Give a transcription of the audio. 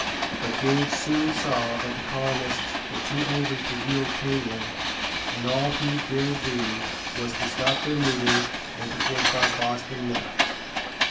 But Gage soon saw that the colonists were too angry to yield tamely, and all he dared do was to stop their meetings and to fortify Boston Neck.